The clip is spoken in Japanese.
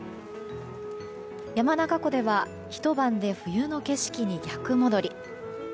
山中湖ではひと晩で冬の景色に逆戻り。